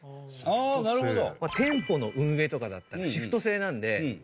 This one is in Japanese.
ああなるほどね。